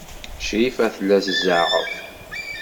Crifa tella tzeɛɛeḍ.